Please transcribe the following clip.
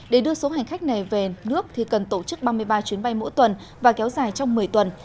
để đưa số hành khách này về nước thì cần tổ chức ba mươi ba chuyến bay mỗi tuần và kéo dài trong một mươi tuần